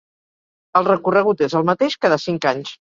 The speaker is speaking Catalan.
El recorregut és el mateix cada cinc anys.